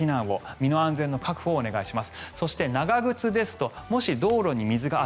身の安全の確保をお願いします。